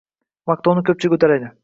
Maqtovni ko‘pchilik uddalaydi.